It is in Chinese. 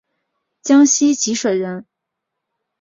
江西吉水人。